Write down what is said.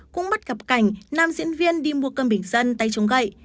cũng bắt gặp cảnh nam diễn viên đi mua cơm bình dân tay chống gậy